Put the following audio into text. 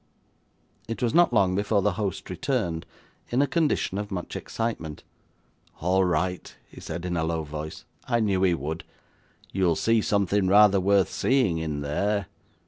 It was not long before the host returned, in a condition of much excitement. 'All right,' he said in a low voice. 'I knew he would. You'll see something rather worth seeing, in there.